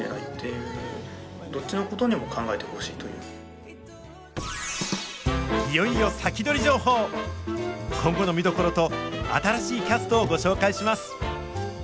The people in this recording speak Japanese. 今後の見どころと新しいキャストをご紹介します！